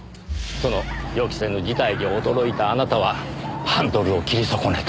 その予期せぬ事態に驚いたあなたはハンドルを切り損ねた。